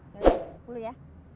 jadi sepuluh ya